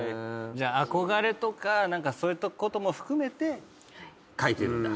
じゃあ憧れとかそういったことも含めて書いてるんだ。